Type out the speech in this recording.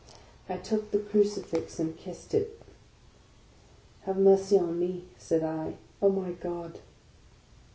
I took the Crucifix and kissed it. " Have mercy on me," said I. " O my God